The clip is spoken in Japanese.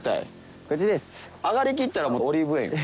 上がりきったらもうオリーブ園。